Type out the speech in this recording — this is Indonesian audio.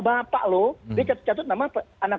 bapak loh dia catut catut nama anak